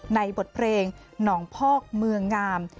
ในบทเพลงหนองพอกเมืองงาม